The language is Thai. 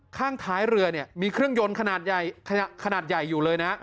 ข้างท้ายเรือเนี่ยมีเครื่องยนต์ขนาดใหญ่ขนาดใหญ่อยู่เลยนะ